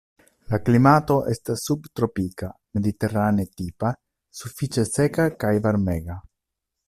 La klimato estas subtropika mediterane-tipa, sufiĉe seka kaj varmega.